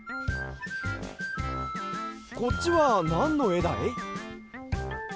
こっちはなんのえだい？